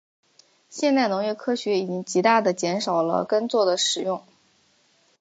现代农业科学已经极大地减少了耕作的使用。